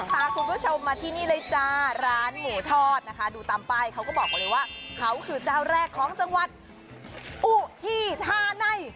พาคุณผู้ชมมาที่นี่เลยจ้าร้านหมูทอดนะคะดูตามป้ายเขาก็บอกมาเลยว่าเขาคือเจ้าแรกของจังหวัดอุทิธาใน